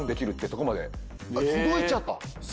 届いちゃったんだ？